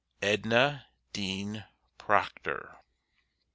EDNA DEAN PROCTOR.